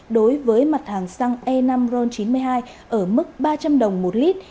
đối với mặt hàng xăng e năm ron chín mươi hai ở mức ba trăm linh đồng một lít